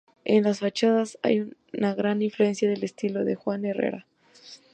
En las fachadas hay una gran influencia del estilo de Juan de Herrera.